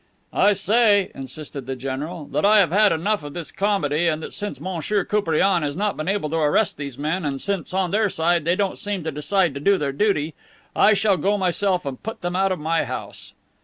"I say," insisted the general, "that I have had enough of this comedy, and that since Monsieur Koupriane has not been able to arrest these men, and since, on their side, they don't seem to decide to do their duty, I shall go myself and put them out of my house."